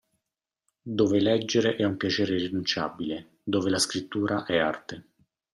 Dove leggere è un piacere irrinunciabile, dove la scrittura è arte.